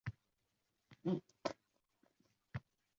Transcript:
U bilan tenglashishni hech qachon xayolimga ham keltirmaganman